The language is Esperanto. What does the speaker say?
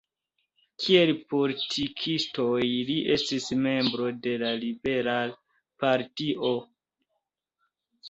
Kiel politikistoj li estis membro de la liberala partio.